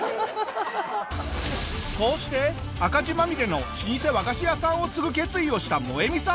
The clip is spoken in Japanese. こうして赤字まみれの老舗和菓子屋さんを継ぐ決意をしたモエミさん。